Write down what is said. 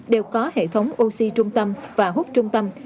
đều có hệ thống oxy trung tâm và hút trung tâm